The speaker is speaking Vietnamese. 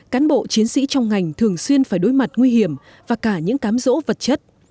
cán bộ chiến sĩ trong ngành thường xuyên phải đối mặt nguy hiểm và cả những cám rỗ vật chất